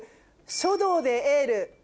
書道でエール。